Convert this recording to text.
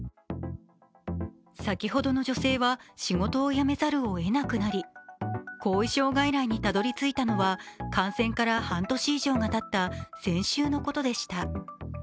先ほどの女性は仕事を辞めざるをえなくなり後遺症外来にたどりついたのは感染から半年以上がたった先週のことでした。